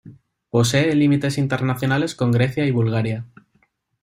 Posee límites internacionales con Grecia y Bulgaria.